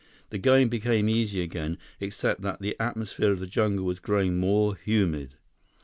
The going became easy again, except that the atmosphere of the jungle was growing more humid.